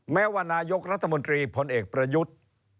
แม้ว่านายกรัฐมนตรีพลเอกประยุทธ์